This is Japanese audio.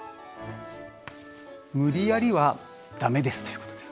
無理やりは駄目ですということです。